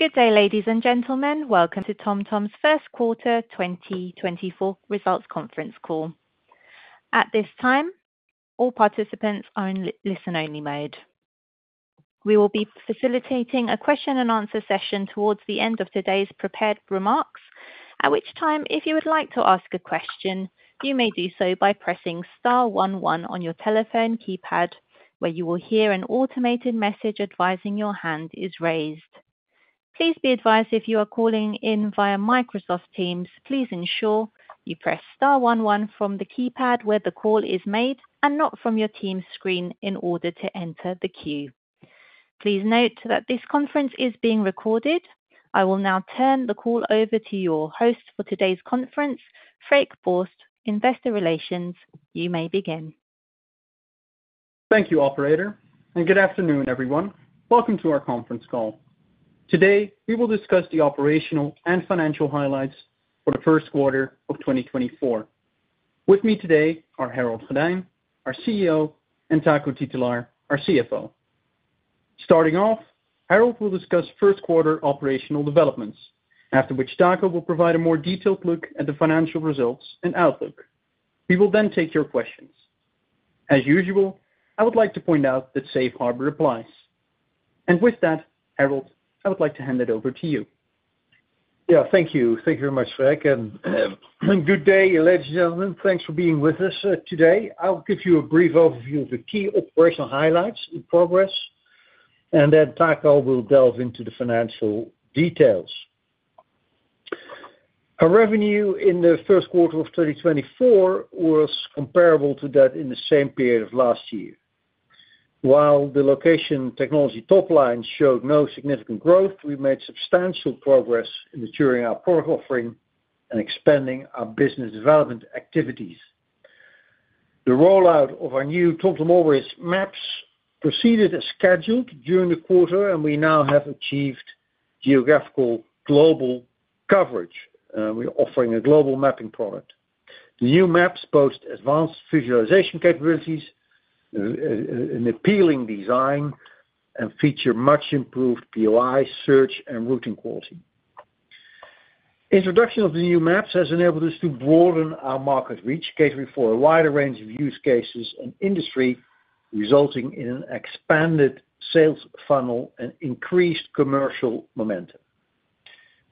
Good day, ladies and gentlemen. Welcome to TomTom's first quarter 2024 results conference call. At this time, all participants are in listen-only mode. We will be facilitating a question-and-answer session toward the end of today's prepared remarks, at which time if you would like to ask a question, you may do so by pressing Star one one on your telephone keypad, where you will hear an automated message advising your hand is raised. Please be advised if you are calling in via Microsoft Teams, please ensure you press Star one one from the keypad where the call is made and not from your Teams screen in order to enter the queue. Please note that this conference is being recorded. I will now turn the call over to your host for today's conference, Freek Borst, Investor Relations. You may begin. Thank you, operator, and good afternoon, everyone. Welcome to our conference call. Today we will discuss the operational and financial highlights for the first quarter of 2024. With me today are Harold Goddijn, our CEO, and Taco Titulaer, our CFO. Starting off, Harold will discuss first quarter operational developments, after which Taco will provide a more detailed look at the financial results and outlook. We will then take your questions. As usual, I would like to point out that Safe Harbor applies. And with that, Harold, I would like to hand it over to you. Yeah, thank you. Thank you very much, Freek. Good day, ladies and gentlemen. Thanks for being with us today. I'll give you a brief overview of the key operational highlights in progress, and then Taco will delve into the financial details. Our revenue in the first quarter of 2024 was comparable to that in the same period of last year. While the location technology top line showed no significant growth, we made substantial progress in maturing our product offering and expanding our business development activities. The rollout of our new TomTom Orbis Maps proceeded as scheduled during the quarter, and we now have achieved geographic global coverage. We're offering a global mapping product. The new maps boast advanced visualization capabilities, an appealing design, and feature much-improved POI, search, and routing quality. Introduction of the new maps has enabled us to broaden our market reach, catering for a wider range of use cases and industry, resulting in an expanded sales funnel and increased commercial momentum.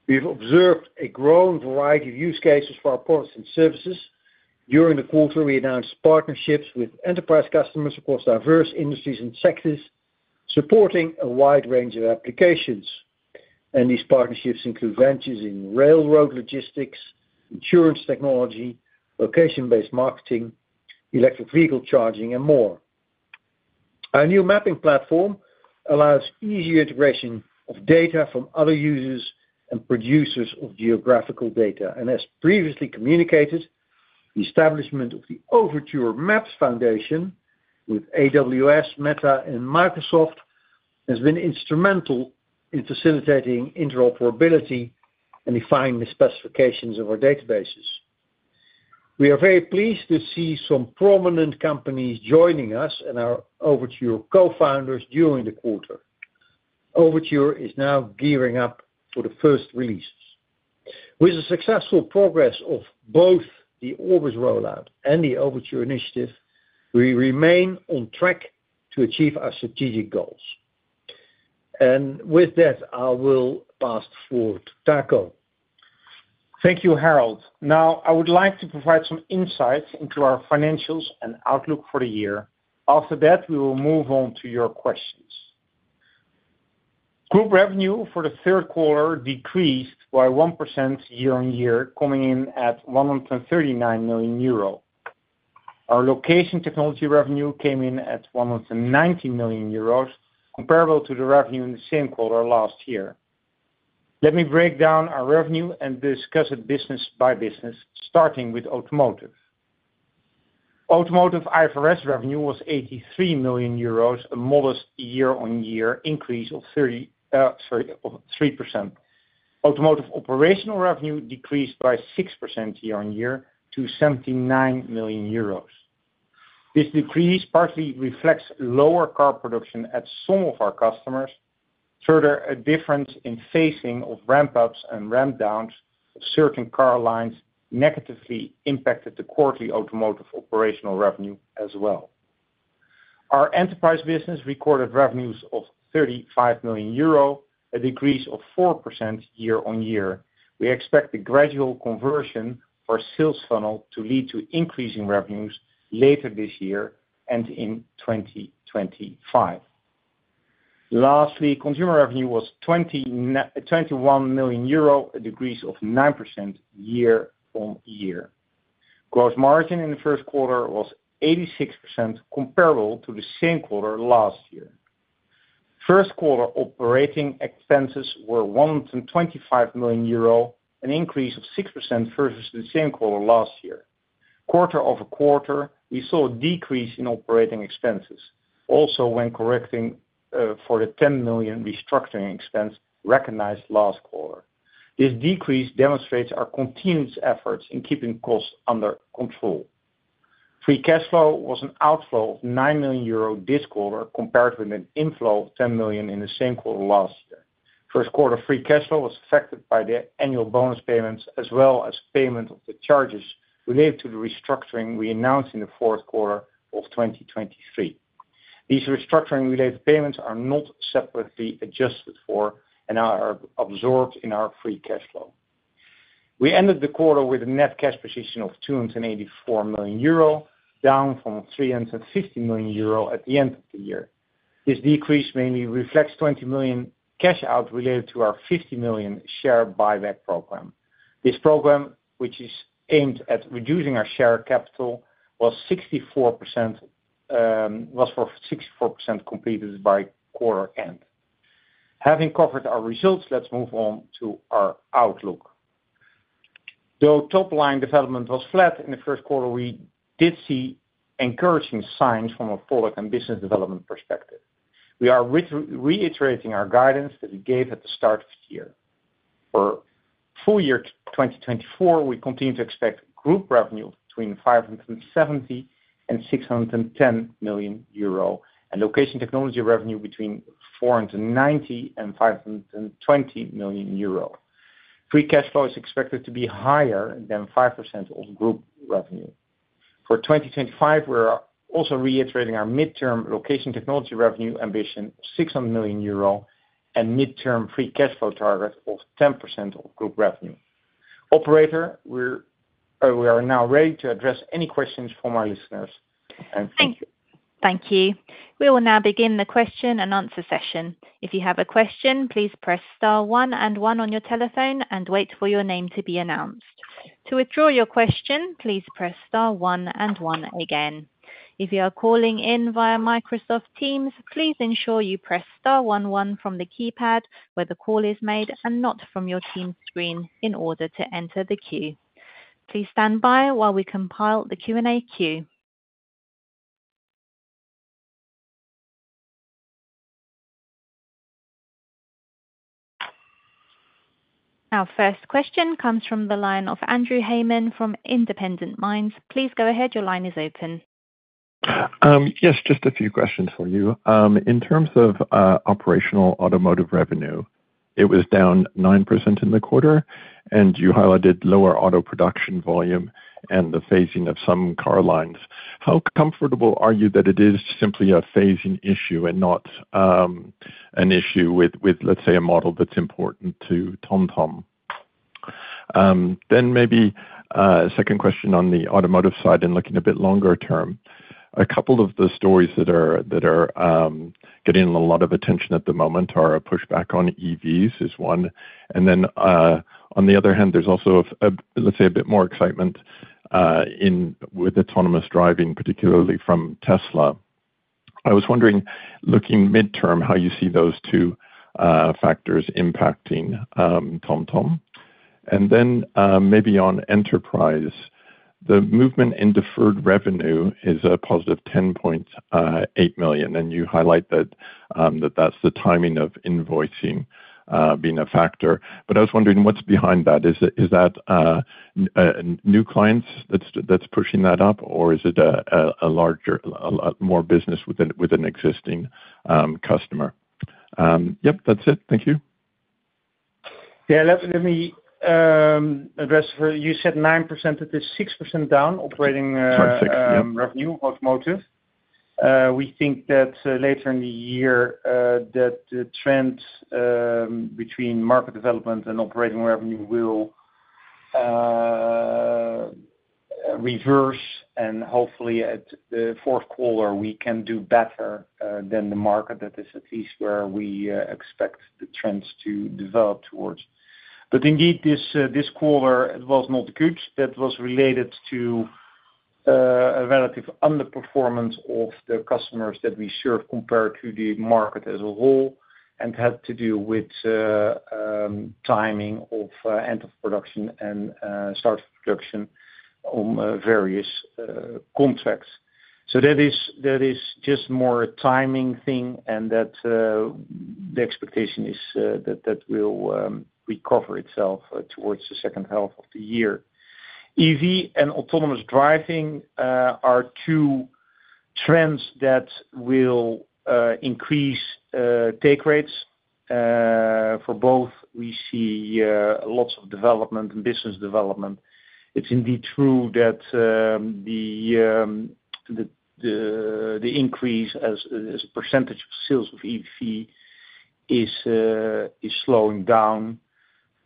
We've observed a growing variety of use cases for our products and services. During the quarter, we announced partnerships with enterprise customers across diverse industries and sectors, supporting a wide range of applications. These partnerships include ventures in railroad logistics, insurance technology, location-based marketing, electric vehicle charging, and more. Our new mapping platform allows easier integration of data from other users and producers of geographical data. As previously communicated, the establishment of the Overture Maps Foundation with AWS, Meta, and Microsoft has been instrumental in facilitating interoperability and defining the specifications of our databases. We are very pleased to see some prominent companies joining us and our Overture co-founders during the quarter. Overture is now gearing up for the first releases. With the successful progress of both the Orbis rollout and the Overture initiative, we remain on track to achieve our strategic goals. With that, I will pass forward to Taco. Thank you, Harold. Now, I would like to provide some insights into our financials and outlook for the year. After that, we will move on to your questions. Group revenue for the third quarter decreased by 1% year-on-year, coming in at 139 million euro. Our location technology revenue came in at 190 million euros, comparable to the revenue in the same quarter last year. Let me break down our revenue and discuss it business by business, starting with automotive. Automotive IFRS revenue was 83 million euros, a modest year-on-year increase of 3%. Automotive operational revenue decreased by 6% year-on-year to 79 million euros. This decrease partly reflects lower car production at some of our customers, further, a difference in phasing of ramp-ups and ramp-downs of certain car lines negatively impacted the quarterly automotive operational revenue as well. Our enterprise business recorded revenues of 35 million euro, a decrease of 4% year-on-year. We expect the gradual conversion of our sales funnel to lead to increasing revenues later this year and in 2025. Lastly, consumer revenue was 21 million euro, a decrease of 9% year-on-year. Gross margin in the first quarter was 86%, comparable to the same quarter last year. First quarter operating expenses were 125 million euro, an increase of 6% versus the same quarter last year. Quarter-over-quarter, we saw a decrease in operating expenses, also when correcting for the 10 million restructuring expense recognized last quarter. This decrease demonstrates our continuous efforts in keeping costs under control. Free cash flow was an outflow of 9 million euro this quarter, compared with an inflow of 10 million in the same quarter last year. First quarter free cash flow was affected by the annual bonus payments as well as payment of the charges related to the restructuring we announced in the fourth quarter of 2023. These restructuring-related payments are not separately adjusted for and are absorbed in our free cash flow. We ended the quarter with a net cash position of 284 million euro, down from 350 million euro at the end of the year. This decrease mainly reflects 20 million cash out related to our 50 million share buyback program. This program, which is aimed at reducing our share capital, was 64% completed by quarter end. Having covered our results, let's move on to our outlook. Though top-line development was flat in the first quarter, we did see encouraging signs from a product and business development perspective. We are reiterating our guidance that we gave at the start of the year. For full year 2024, we continue to expect group revenue between 570 million and 610 million euro, and location technology revenue between 490 million and 520 million euro. Free cash flow is expected to be higher than 5% of group revenue. For 2025, we are also reiterating our midterm location technology revenue ambition of 600 million euro and midterm free cash flow target of 10% of group revenue. Operator, we are now ready to address any questions from our listeners. And thank you. Thank you. We will now begin the question-and-answer session. If you have a question, please press Star one and one on your telephone and wait for your name to be announced. To withdraw your question, please press Star one and one again. If you are calling in via Microsoft Teams, please ensure you press Star one one from the keypad where the call is made and not from your Teams screen in order to enter the queue. Please stand by while we compile the Q&A queue. Our first question comes from the line of Andrew Hayman from Independent Minds. Please go ahead. Your line is open. Yes, just a few questions for you. In terms of operational automotive revenue, it was down 9% in the quarter, and you highlighted lower auto production volume and the phasing of some car lines. How comfortable are you that it is simply a phasing issue and not an issue with, let's say, a model that's important to TomTom? Then maybe a second question on the automotive side and looking a bit longer term. A couple of the stories that are getting a lot of attention at the moment are a pushback on EVs is one. And then on the other hand, there's also, let's say, a bit more excitement with autonomous driving, particularly from Tesla. I was wondering, looking midterm, how you see those two factors impacting TomTom. And then maybe on enterprise, the movement in deferred revenue is a +10.8 million. You highlight that that's the timing of invoicing being a factor. I was wondering what's behind that. Is that new clients that's pushing that up, or is it a more business with an existing customer? Yep, that's it. Thank you. Yeah, let me address for you said 9%. It is 6% down operating revenue of automotive. We think that later in the year, that the trend between market development and operating revenue will reverse. And hopefully, at the fourth quarter, we can do better than the market. That is at least where we expect the trends to develop towards. But indeed, this quarter, it was not good. That was related to a relative underperformance of the customers that we serve compared to the market as a whole and had to do with timing of end of production and start of production on various contracts. So that is just more a timing thing, and the expectation is that that will recover itself towards the second half of the year. EV and autonomous driving are two trends that will increase take rates. For both, we see lots of development and business development. It's indeed true that the increase as a percentage of sales of EV is slowing down.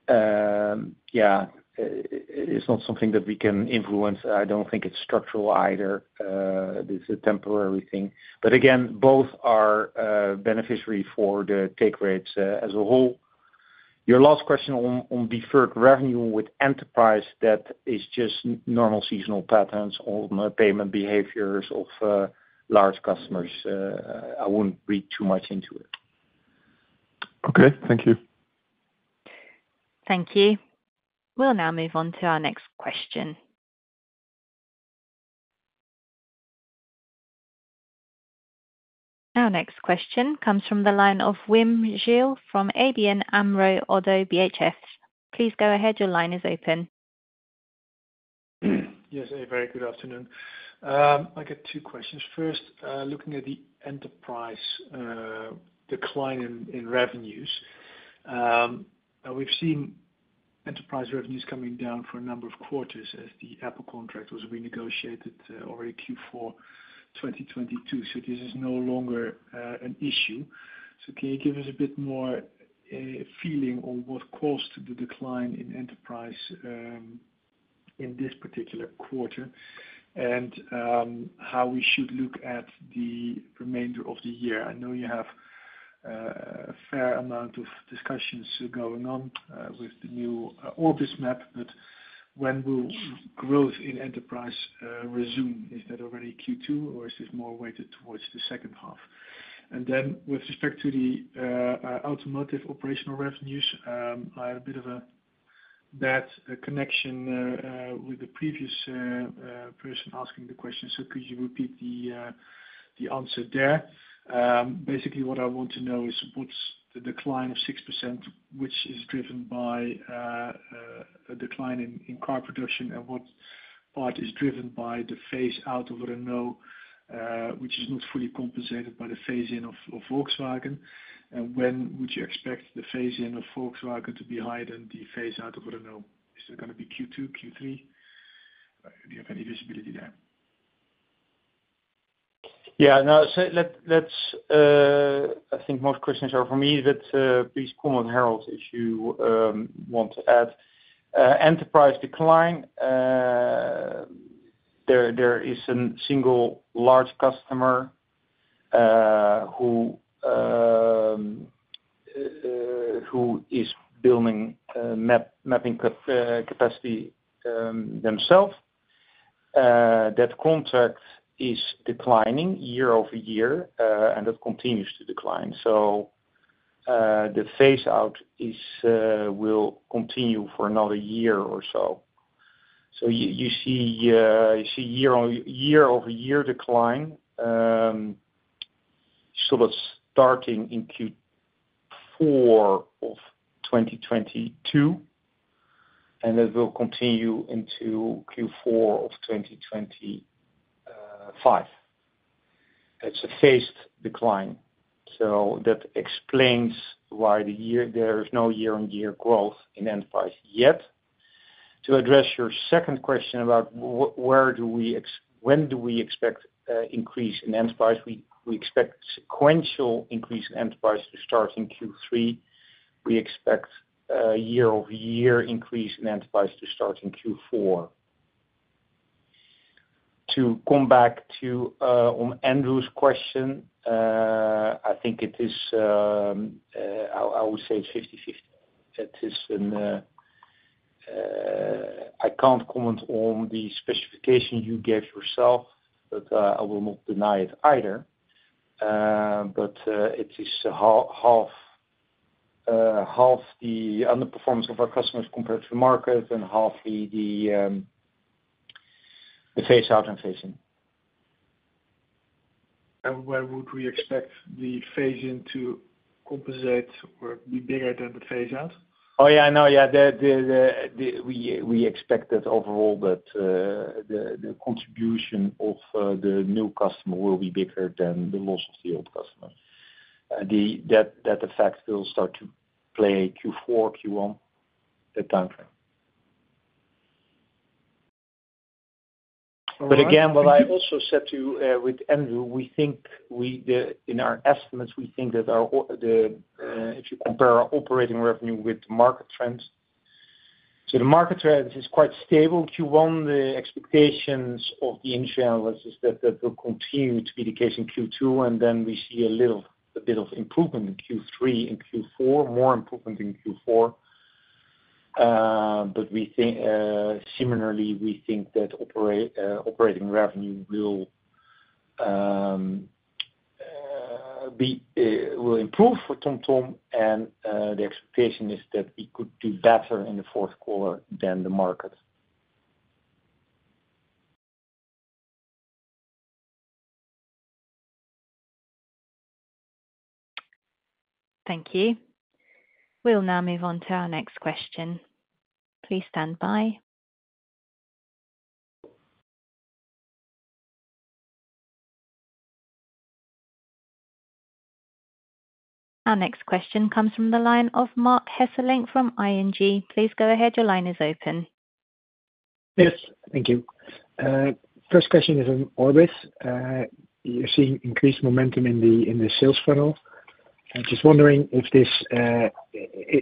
Yeah, it's not something that we can influence. I don't think it's structural either. It's a temporary thing. But again, both are beneficial for the take rates as a whole. Your last question on deferred revenue with enterprise, that is just normal seasonal patterns on payment behaviors of large customers. I wouldn't read too much into it. Okay. Thank you. Thank you. We'll now move on to our next question. Our next question comes from the line of Wim Gille from ABN AMRO - ODDO BHF. Please go ahead. Your line is open. Yes, hey. Very good afternoon. I got two questions. First, looking at the enterprise decline in revenues, we've seen enterprise revenues coming down for a number of quarters as the Apple contract was renegotiated already Q4 2022. So this is no longer an issue. So can you give us a bit more feeling on what caused the decline in enterprise in this particular quarter and how we should look at the remainder of the year? I know you have a fair amount of discussions going on with the new Orbis map, but when will growth in enterprise resume? Is that already Q2, or is this more weighted towards the second half? And then with respect to the automotive operational revenues, I had a bit of a bad connection with the previous person asking the question. So could you repeat the answer there? Basically, what I want to know is what's the decline of 6%, which is driven by a decline in car production, and what part is driven by the phase out of Renault, which is not fully compensated by the phase in of Volkswagen? And when would you expect the phase in of Volkswagen to be higher than the phase out of Renault? Is that going to be Q2, Q3? Do you have any visibility there? Yeah. No, I think most questions are for me, but please come on, Harold, if you want to add. Enterprise decline, there is a single large customer who is building mapping capacity themselves. That contract is declining year-over-year, and that continues to decline. So the phase out will continue for another year or so. So you see year-over-year decline. So that's starting in Q4 of 2022, and that will continue into Q4 of 2025. That's a phased decline. So that explains why there is no year-on-year growth in enterprise yet. To address your second question about when do we expect increase in enterprise, we expect sequential increase in enterprise to start in Q3. We expect year-over-year increase in enterprise to start in Q4. To come back to Andrew's question, I think it is I would say it's 50/50. I can't comment on the speculation you gave yourself, but I will not deny it either. But it is half the underperformance of our customers compared to the market and half the phase out and phase in. Where would we expect the phase in to compensate or be bigger than the phase out? Oh, yeah. No, yeah. We expect that overall, that the contribution of the new customer will be bigger than the loss of the old customer. That effect will start to play Q4, Q1, that timeframe. But again, what I also said to you with Andrew, in our estimates, we think that if you compare operating revenue with the market trends so the market trends is quite stable Q1. The expectations of the industry analysts is that that will continue to be the case in Q2. And then we see a bit of improvement in Q3 and Q4, more improvement in Q4. But similarly, we think that operating revenue will improve for TomTom. And the expectation is that we could do better in the fourth quarter than the market. Thank you. We'll now move on to our next question. Please stand by. Our next question comes from the line of Marc Hesselink from ING. Please go ahead. Your line is open. Yes. Thank you. First question is from Orbis. You're seeing increased momentum in the sales funnel. Just wondering if this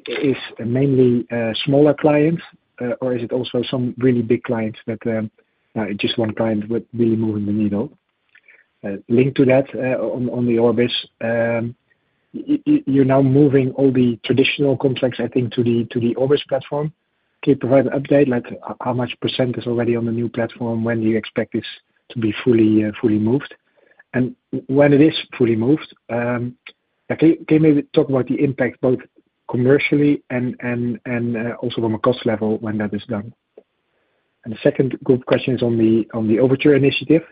is mainly smaller clients, or is it also some really big clients that just one client really moving the needle? Link to that on the Orbis. You're now moving all the traditional contracts, I think, to the Orbis platform. Can you provide an update? How much percent is already on the new platform? When do you expect this to be fully moved? And when it is fully moved, can you maybe talk about the impact both commercially and also from a cost level when that is done? And the second group question is on the Overture initiative.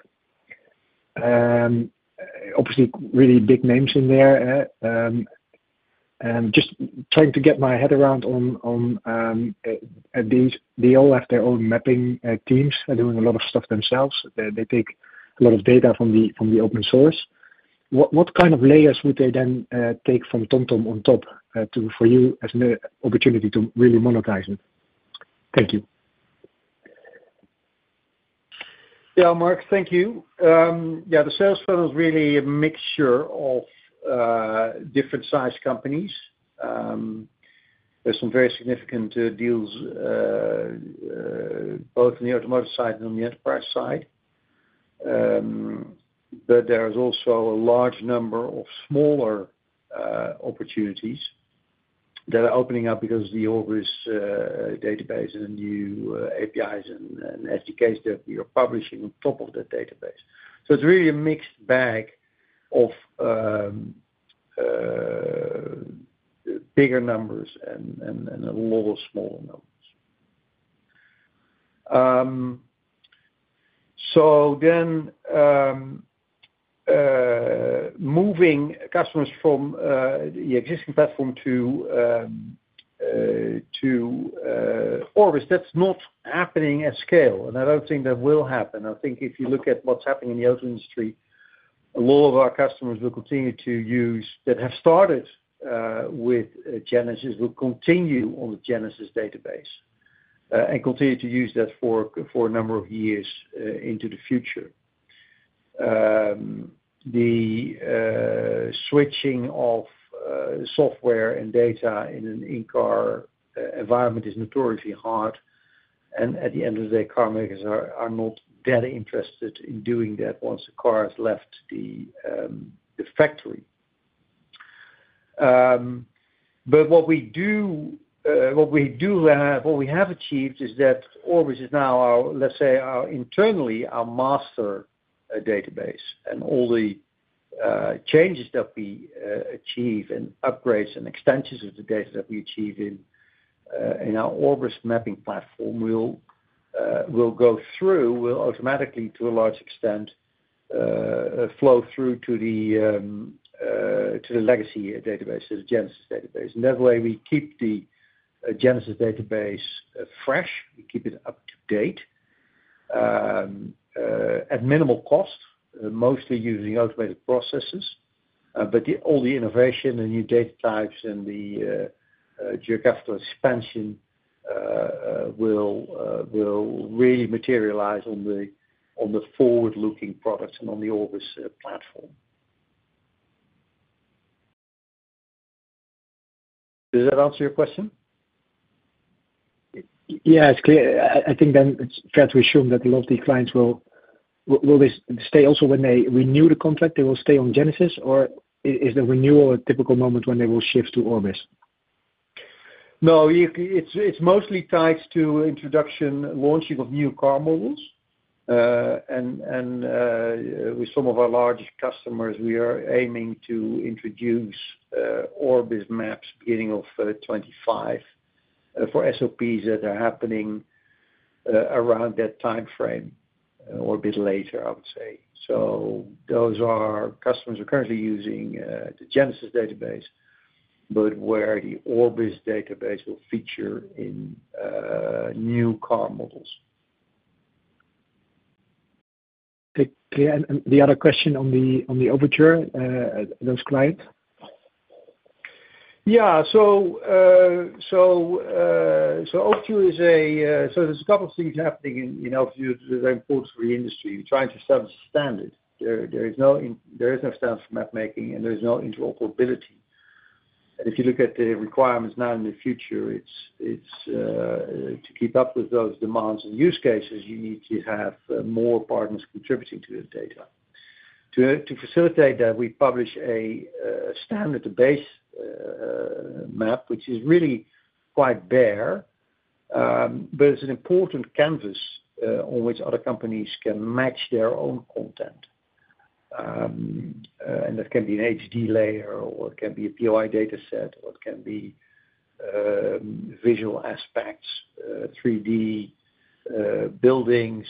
Obviously, really big names in there. And just trying to get my head around, they all have their own mapping teams. They're doing a lot of stuff themselves. They take a lot of data from the open source. What kind of layers would they then take from TomTom on top for you as an opportunity to really monetize it? Thank you. Yeah, Mark, thank you. Yeah, the sales funnel is really a mixture of different-sized companies. There's some very significant deals both on the automotive side and on the enterprise side. But there is also a large number of smaller opportunities that are opening up because of the Orbis database and the new APIs and SDKs that we are publishing on top of that database. So it's really a mixed bag of bigger numbers and a lot of smaller numbers. So then moving customers from the existing platform to Orbis, that's not happening at scale. And I don't think that will happen. I think if you look at what's happening in the auto industry, a lot of our customers will continue to use that have started with Genesis will continue on the Genesis database and continue to use that for a number of years into the future. The switching of software and data in an in-car environment is notoriously hard. At the end of the day, car makers are not that interested in doing that once the car has left the factory. But what we have achieved is that Orbis is now, let's say, internally, our master database. All the changes that we achieve and upgrades and extensions of the data that we achieve in our Orbis mapping platform will go through, will automatically, to a large extent, flow through to the legacy database, to the Genesis database. And that way, we keep the Genesis database fresh. We keep it up to date at minimal cost, mostly using automated processes. But all the innovation and new data types and the geographical expansion will really materialize on the forward-looking products and on the Orbis platform. Does that answer your question? Yeah, it's clear. I think then it's fair to assume that a lot of these clients will stay also when they renew the contract, they will stay on Genesis, or is the renewal a typical moment when they will shift to Orbis? No, it's mostly tied to introduction launching of new car models. And with some of our larger customers, we are aiming to introduce Orbis maps beginning of 2025 for SOPs that are happening around that timeframe or a bit later, I would say. So those are customers who are currently using the Genesis database but where the Orbis database will feature in new car models. Okay. And the other question on the Overture, those clients? Yeah. So, Overture is, so there's a couple of things happening in Overture that are important for the industry. We're trying to establish a standard. There is no standard for map-making, and there is no interoperability. And if you look at the requirements now and in the future, to keep up with those demands and use cases, you need to have more partners contributing to the data. To facilitate that, we publish a standard to base map, which is really quite bare, but it's an important canvas on which other companies can match their own content. And that can be an HD layer, or it can be a POI dataset, or it can be visual aspects, 3D buildings,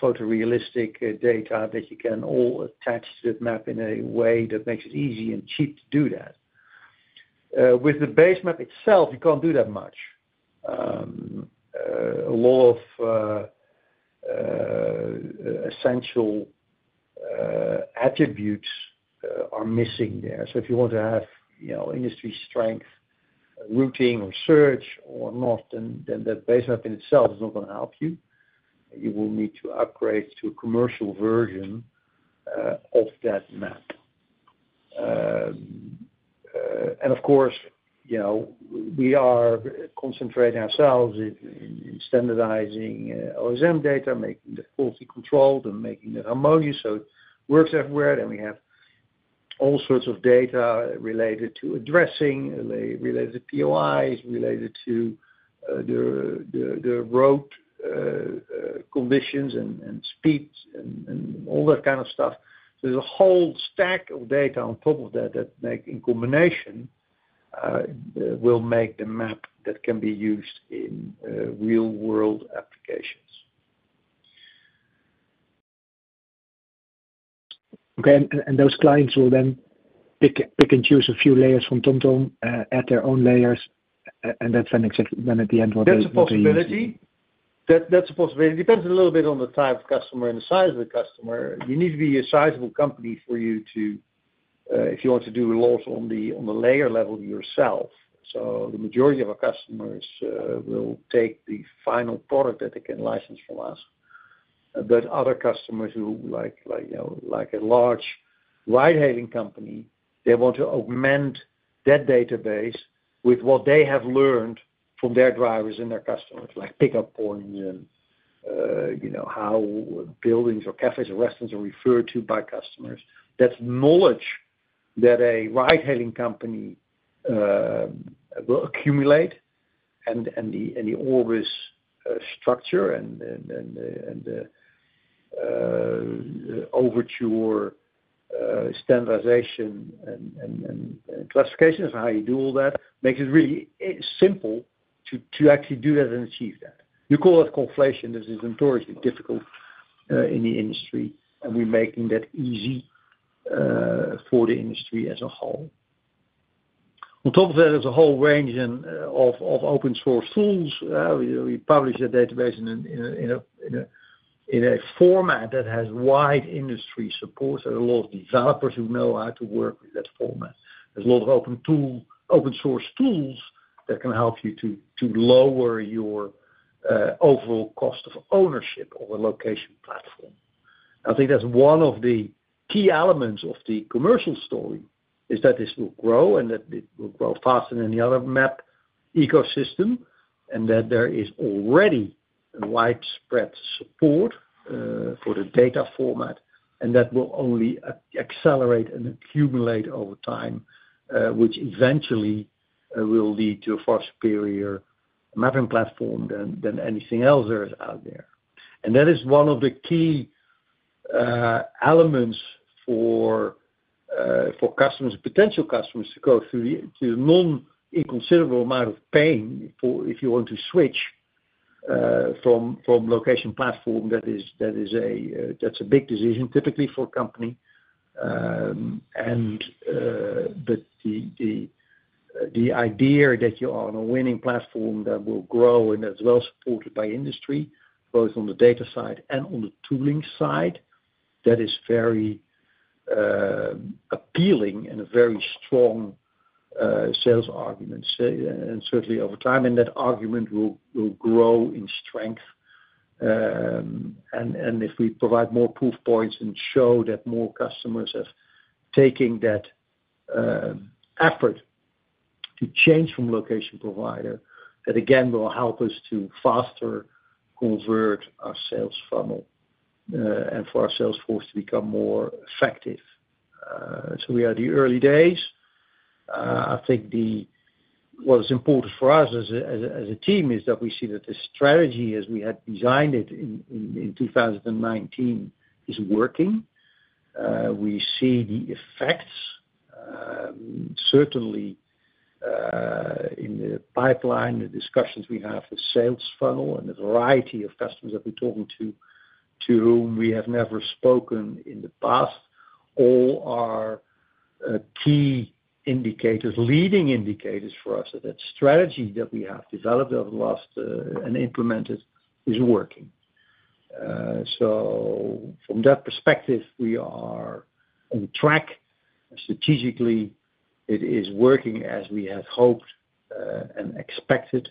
photorealistic data that you can all attach to that map in a way that makes it easy and cheap to do that. With the base map itself, you can't do that much. A lot of essential attributes are missing there. So if you want to have industry strength routing or search or not, then the base map in itself is not going to help you. You will need to upgrade to a commercial version of that map. And of course, we are concentrating ourselves in standardizing OSM data, making it fully controlled and making it harmonious so it works everywhere. Then we have all sorts of data related to addressing, related to POIs, related to the road conditions and speeds and all that kind of stuff. So there's a whole stack of data on top of that that, in combination, will make the map that can be used in real-world applications. Okay. And those clients will then pick and choose a few layers from TomTom, add their own layers, and that's then at the end what they will do? That's a possibility. That's a possibility. It depends a little bit on the type of customer and the size of the customer. You need to be a sizable company for you to if you want to do layers on the layer level yourself. So the majority of our customers will take the final product that they can license from us. But other customers who like a large ride-hailing company, they want to augment that database with what they have learned from their drivers and their customers, like pickup points and how buildings or cafés or restaurants are referred to by customers. That's knowledge that a ride-hailing company will accumulate. And the Orbis structure and the Overture standardization and classifications and how you do all that makes it really simple to actually do that and achieve that. You call that conflation. This is notoriously difficult in the industry. And we're making that easy for the industry as a whole. On top of that, there's a whole range of open-source tools. We publish the database in a format that has wide industry support. There are a lot of developers who know how to work with that format. There's a lot of open-source tools that can help you to lower your overall cost of ownership of a location platform. I think that's one of the key elements of the commercial story, is that this will grow and that it will grow faster than the other map ecosystem and that there is already widespread support for the data format. And that will only accelerate and accumulate over time, which eventually will lead to a far superior mapping platform than anything else that is out there. That is one of the key elements for potential customers to go through to a non-inconsiderable amount of pain if you want to switch from location platform. That's a big decision, typically, for a company. But the idea that you are on a winning platform that will grow and that's well supported by industry, both on the data side and on the tooling side, that is very appealing and a very strong sales argument, certainly over time. And that argument will grow in strength. And if we provide more proof points and show that more customers are taking that effort to change from location provider, that, again, will help us to faster convert our sales funnel and for our sales force to become more effective. So we are in the early days. I think what is important for us as a team is that we see that the strategy, as we had designed it in 2019, is working. We see the effects, certainly, in the pipeline, the discussions we have with sales funnel and the variety of customers that we're talking to, to whom we have never spoken in the past. All are key indicators, leading indicators for us that that strategy that we have developed over the last and implemented is working. So from that perspective, we are on track. Strategically, it is working as we have hoped and expected.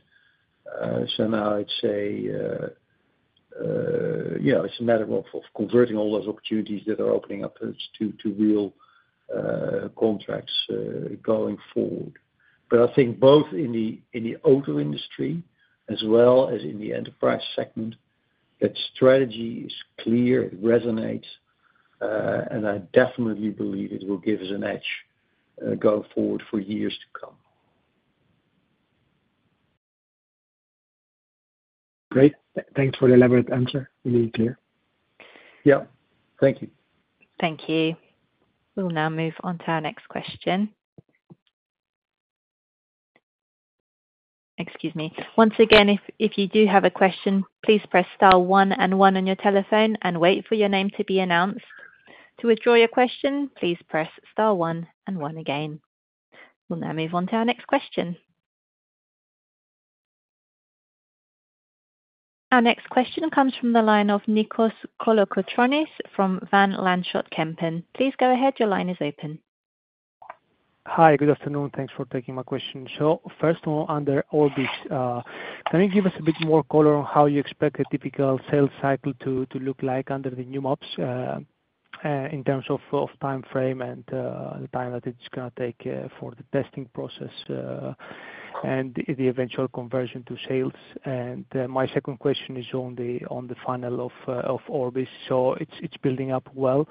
So now I'd say it's a matter of converting all those opportunities that are opening up to real contracts going forward. But I think both in the auto industry as well as in the enterprise segment, that strategy is clear. It resonates. I definitely believe it will give us an edge going forward for years to come. Great. Thanks for the elaborate answer. Really clear. Yeah. Thank you. Thank you. We'll now move on to our next question. Excuse me. Once again, if you do have a question, please press star one and one on your telephone and wait for your name to be announced. To withdraw your question, please press star one and one again. We'll now move on to our next question. Our next question comes from the line of Nikos Kolokotronis from Van Lanschot Kempen. Please go ahead. Your line is open. Hi. Good afternoon. Thanks for taking my question. So first of all, under Orbis, can you give us a bit more color on how you expect a typical sales cycle to look like under the new maps in terms of timeframe and the time that it's going to take for the testing process and the eventual conversion to sales? And my second question is on the funnel of Orbis. So it's building up well.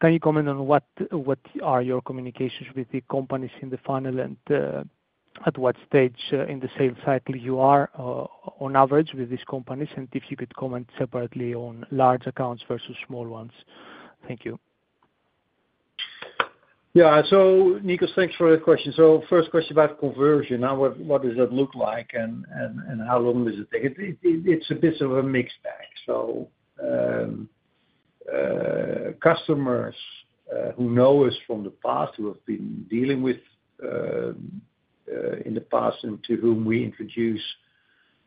Can you comment on what are your communications with the companies in the funnel and at what stage in the sales cycle you are, on average, with these companies? And if you could comment separately on large accounts versus small ones. Thank you. Yeah. So Nikos, thanks for the question. So first question about conversion. Now, what does that look like, and how long does it take? It's a bit of a mixed bag. So customers who know us from the past, who have been dealing with in the past and to whom we introduce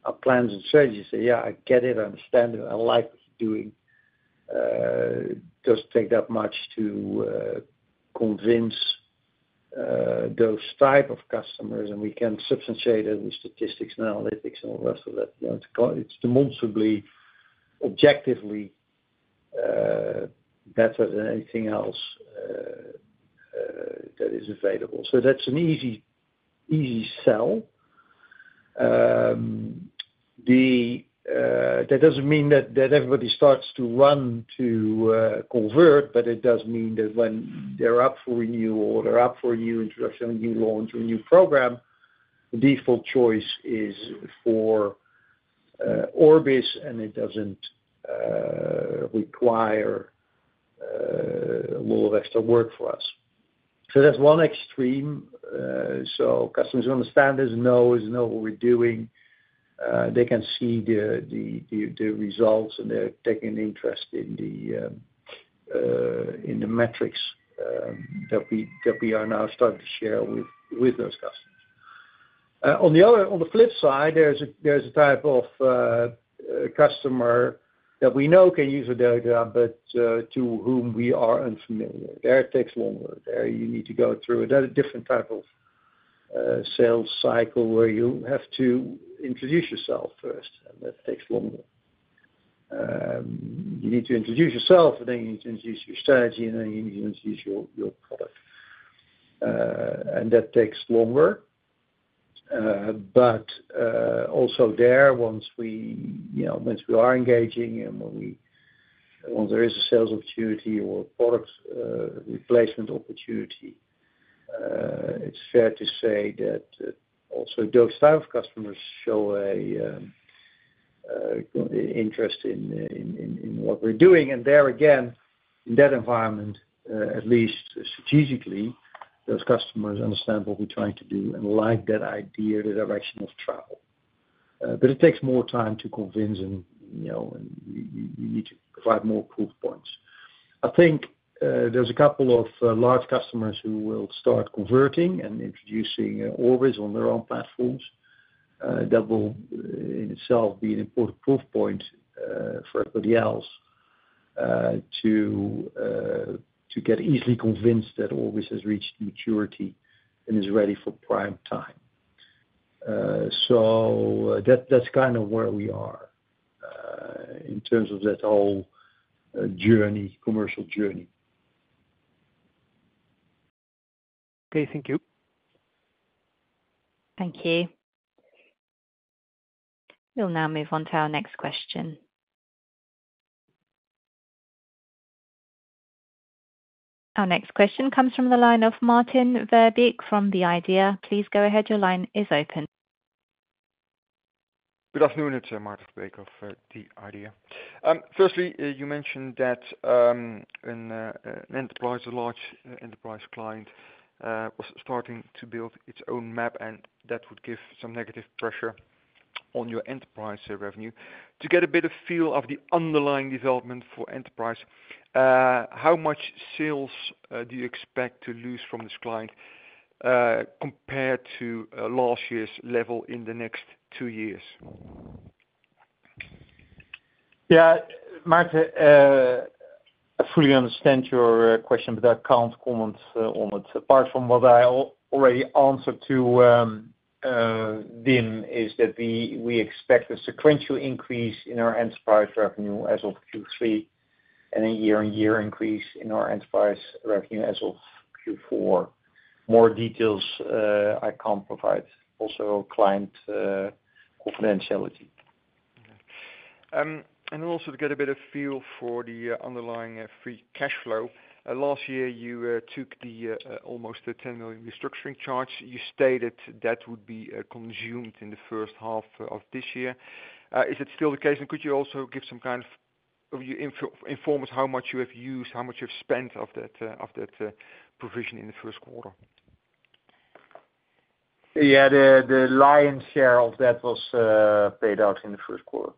our plans and strategies, say, "Yeah, I get it. I understand it. I like what you're doing." It doesn't take that much to convince those types of customers. And we can substantiate it with statistics and analytics and all the rest of that. It's demonstrably objectively better than anything else that is available. So that's an easy sell. That doesn't mean that everybody starts to run to convert, but it does mean that when they're up for renewal or they're up for a new introduction, a new launch, or a new program, the default choice is for Orbis, and it doesn't require a lot of extra work for us. So that's one extreme. So customers who understand this know what we're doing. They can see the results, and they're taking interest in the metrics that we are now starting to share with those customers. On the flip side, there's a type of customer that we know can use the data but to whom we are unfamiliar. There it takes longer. There you need to go through another different type of sales cycle where you have to introduce yourself first. And that takes longer. You need to introduce yourself, and then you need to introduce your strategy, and then you need to introduce your product. And that takes longer. But also there, once we are engaging and when there is a sales opportunity or a product replacement opportunity, it's fair to say that also those type of customers show an interest in what we're doing. And there again, in that environment, at least strategically, those customers understand what we're trying to do and like that idea, the direction of travel. But it takes more time to convince, and you need to provide more proof points. I think there's a couple of large customers who will start converting and introducing Orbis on their own platforms. That will, in itself, be an important proof point for everybody else to get easily convinced that Orbis has reached maturity and is ready for prime time. That's kind of where we are in terms of that whole commercial journey. Okay. Thank you. Thank you. We'll now move on to our next question. Our next question comes from the line of Maarten Verbeek from The Idea. Please go ahead. Your line is open. Good afternoon. It's Maarten Verbeek of The Idea. Firstly, you mentioned that an enterprise, a large enterprise client, was starting to build its own map, and that would give some negative pressure on your enterprise revenue. To get a bit of feel of the underlying development for enterprise, how much sales do you expect to lose from this client compared to last year's level in the next two years? Yeah. Maarten, I fully understand your question, but I can't comment on it. Apart from what I already answered to Wim, is that we expect a sequential increase in our enterprise revenue as of Q3 and a year-on-year increase in our enterprise revenue as of Q4. More details I can't provide. Also, client confidentiality. Okay. And also to get a bit of a feel for the underlying free cash flow, last year, you took the almost 10 million restructuring charge. You stated that would be consumed in the first half of this year. Is it still the case? And could you also give us some kind of information on how much you have used, how much you have spent of that provision in the first quarter? Yeah. The lion's share of that was paid out in the first quarter.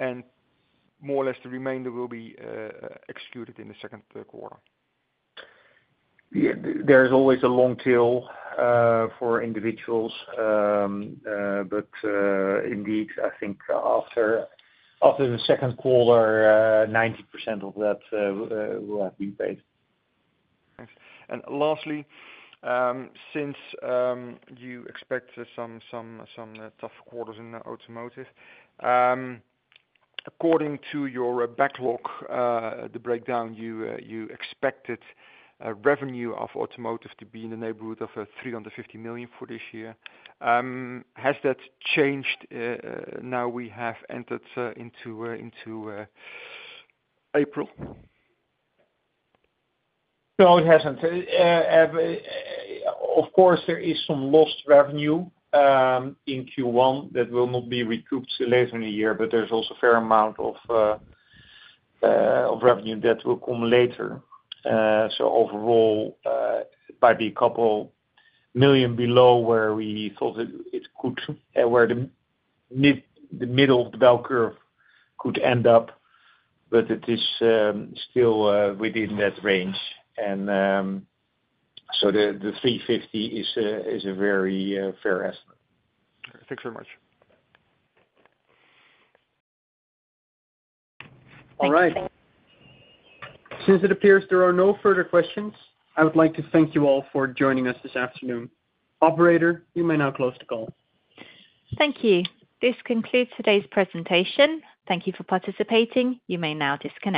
More or less, the remainder will be executed in the second quarter? There is always a long tail for individuals. But indeed, I think after the second quarter, 90% of that will have been paid. Thanks. And lastly, since you expect some tough quarters in automotive, according to your backlog, the breakdown, you expected revenue of automotive to be in the neighborhood of 350 million for this year. Has that changed now we have entered into April? No, it hasn't. Of course, there is some lost revenue in Q1 that will not be recouped later in the year, but there's also a fair amount of revenue that will come later. So overall, it might be 2 million below where we thought it could be, where the middle of the bell curve could end up, but it is still within that range. And so the 350 million is a very fair estimate. Thanks very much. All right. Thank you. Thanks. Since it appears there are no further questions, I would like to thank you all for joining us this afternoon. Operator, you may now close the call. Thank you. This concludes today's presentation. Thank you for participating. You may now disconnect.